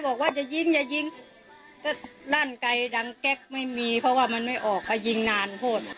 บอกว่าอย่ายิงอย่ายิงก็ลั่นไกลดังแก๊กไม่มีเพราะว่ามันไม่ออกก็ยิงนานโทษ